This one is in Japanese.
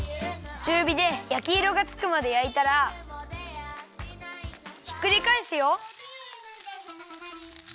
ちゅうびでやきいろがつくまでやいたらひっくりかえすよ。